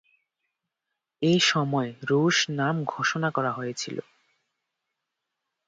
এই সময় রুস নাম ঘোষণা করা হয়েছিল।